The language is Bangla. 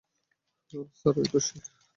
স্যার, অইতো সে!